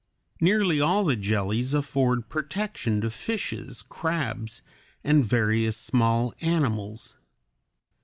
Nearly all the jellies afford protection to fishes, crabs, and various small animals.